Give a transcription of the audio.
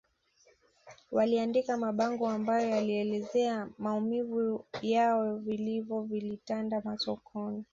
Waliandika mabango ambayo yalielezea maumivu yao vilio vilitanda masokoni